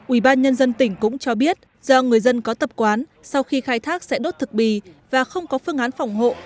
ủy ban nhân dân tỉnh cũng cho biết do người dân có tập quán sau khi khai thác sẽ đốt thực bì và không có phương án phòng hộ